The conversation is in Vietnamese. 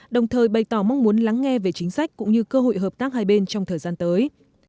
đồng thời bày tỏ mong muốn lắng nghe về chính sách cũng như cơ hội hợp tác hai bên trong thời gian tới